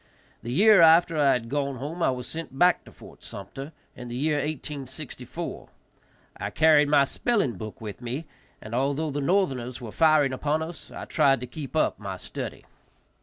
The year after I had gone home I was sent back to Fort Sumpter in the year 1864. I carried my spelling book with me, and, although the northerners were firing upon us, I tried to keep up my study.